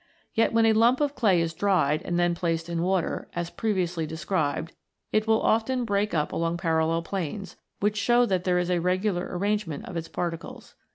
Yet, when a lump of clay is dried and then placed in water, as previously described, it will often break up along parallel planes, which show that there is a regular arrangement of its particles.